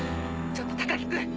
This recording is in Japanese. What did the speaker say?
ちょっと高木君！